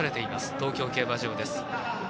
東京競馬場です。